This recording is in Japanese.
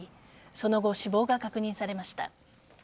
その後、死亡が確認されました。